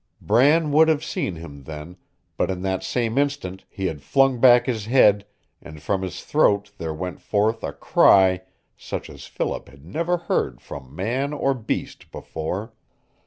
Bram would have seen him then, but in that same instant he had flung back his head and from his throat there went forth a cry such as Philip had never heard from man or beast before.